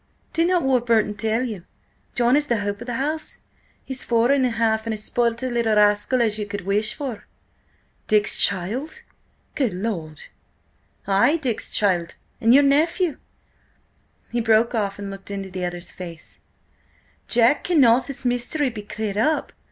"Did not Warburton tell you? John is the hope of the house. He's four and a half, and as spoilt a little rascal as you could wish for." "Dick's child? Good Lord!" "Ay, Dick's child and your nephew." He broke off and looked into the other's face. "Jack, cannot this mystery be cleared up?